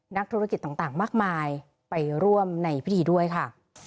นักธุรกิจต่างมากมายไปร่วมในพิธีด้วยค่ะ